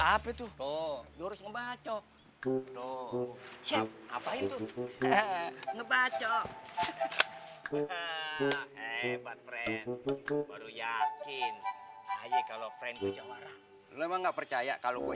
apa itu tuh ngobat yo yo yo siap ngobat yo hebat friend baru yakin kalau percaya kalau